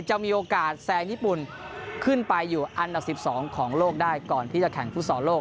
การใส่ไม่มีมีโอกาสแสงญี่ปุ่นขึ้นไปอันดับ๑๒ของโลกได้ยังจะแข่งผู้สอโลก